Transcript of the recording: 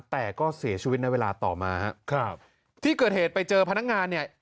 แต่ก็เสียชีวิตในเวลาต่อมาฮะครับที่เกิดเหตุไปเจอพนักงานเนี่ย